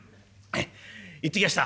行ってきやした」。